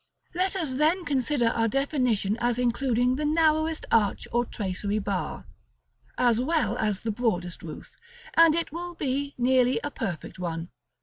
Let us then consider our definition as including the narrowest arch, or tracery bar, as well as the broadest roof, and it will be nearly a perfect one.